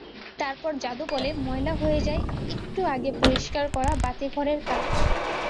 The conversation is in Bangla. তারপর জাদুবলে ময়লা হয়ে যায় একটু আগে পরিষ্কার করা বাতিঘরের কাচ।